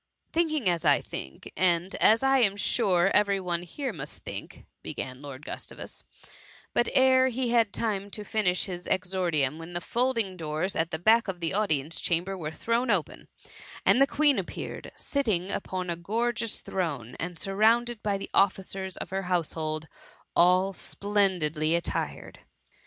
^Thinking as I think, and as I am sure every one here must think,'' began Lord Gtis tavus, — but, ere he had time to finish his exordium, the folding doors at the back of the audience chamber were thrown open, and the Queen appeared, sitting upon a gorgeous throne, and surrounded by the ofiicers of her household all splendidly attired.